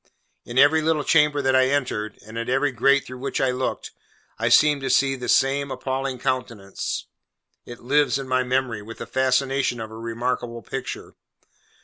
In every little chamber that I entered, and at every grate through which I looked, I seemed to see the same appalling countenance. It lives in my memory, with the fascination of a remarkable picture.